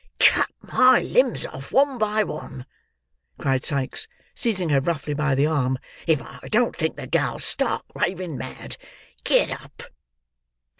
"Cut my limbs off one by one!" cried Sikes, seizing her roughly by the arm, "If I don't think the gal's stark raving mad. Get up."